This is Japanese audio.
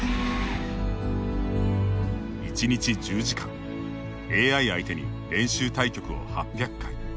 １日１０時間ＡＩ相手に練習対局を８００回。